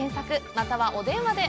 または、お電話で。